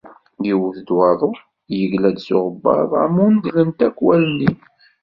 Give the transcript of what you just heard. Yewwet-d waḍu, yegla-d s uɣebbar, dɣa mundlent akk wallen-iw.